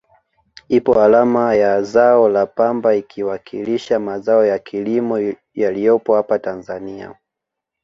Ipo alama ya zao la pamba ikiwakilisha mazao ya kilimo yaliyopo apa Tanzania